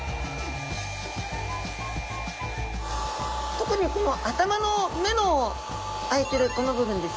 特にこの頭の目のあいてるこの部分ですね